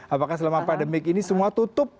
apakah selama pandemi ini semua tutup